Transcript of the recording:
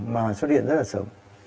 mà xuất hiện rất là sớm